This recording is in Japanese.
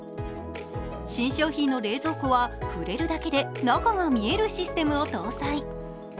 新商品の冷蔵庫は触れるだけで、中が見えるシステムを搭載。